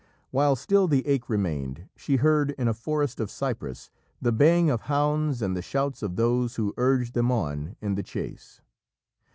While still the ache remained, she heard, in a forest of Cyprus, the baying of hounds and the shouts of those who urged them on in the chase.